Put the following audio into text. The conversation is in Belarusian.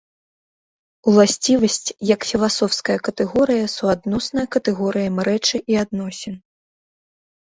Уласцівасць як філасофская катэгорыя суадносная катэгорыям рэчы і адносін.